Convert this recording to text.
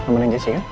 menang jessi kan